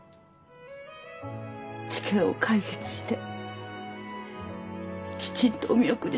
事件を解決してきちんとお見送りしてあげたい。